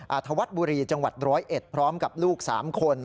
อ่าถวัดบุรีจังหวัดร้อยเอ็ดพร้อมกับลูกสามคน